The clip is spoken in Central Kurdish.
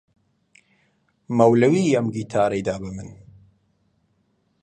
مەولەوی ئەم گیتارەی دا بە من.